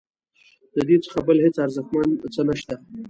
ددې څخه بل هیڅ ارزښتمن څه نشته.